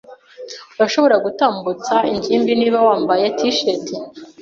Urashobora gutambutsa ingimbi niba wambaye T-shirt.